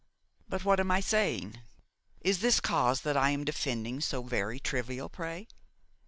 But what am I saying? is this cause that I am defending so very trivial, pray?